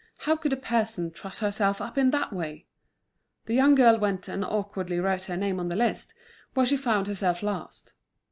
How could a person truss herself up in that way! The young girl went and awkwardly wrote her name on the list, where she found herself last.